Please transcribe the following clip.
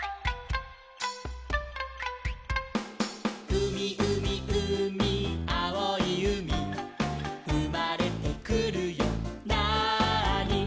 「うみうみうみあおいうみ」「うまれてくるよなあに」